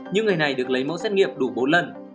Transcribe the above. những người này được lấy mẫu xét nghiệm đủ bốn lần